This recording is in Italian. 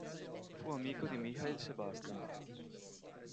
Fu amico di Mihail Sebastian.